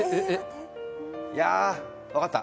いやー、分かった。